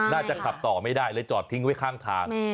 น่าจะขับต่อไม่ได้เลยจอดทิ้งไว้ข้างทาง